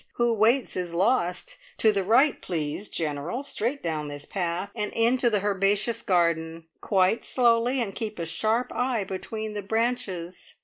Who waits is lost. To the right, please, General. Straight down this path, and into the herbaceous garden. Quite slowly, and keep a sharp eye between the branches."